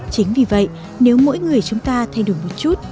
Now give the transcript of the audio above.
chính vì vậy nếu mỗi người chúng ta thay đổi một chút